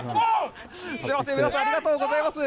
すみません、皆さん、ありがとうございます。